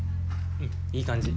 うんいい感じ。